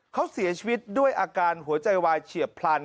เขาเสียชีวิตด้วยอาการหัวใจวายเฉียบพลัน